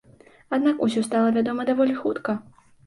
Аднак усё стала вядома даволі хутка.